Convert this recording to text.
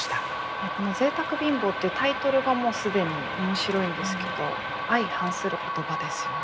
この「贅沢貧乏」ってタイトルがもう既に面白いんですけど相反する言葉ですよね。